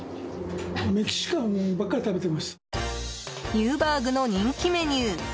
ニューバーグの人気メニュー